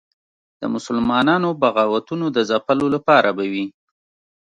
د مسلمانانو بغاوتونو د ځپلو لپاره به وي.